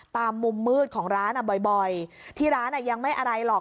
ตามมุมมืดของร้านบ่อยที่ร้านยังไม่อะไรหรอก